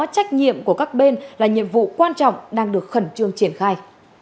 trách nhiệm của các bên là nhiệm vụ quan trọng đang được khẩn trương triển khai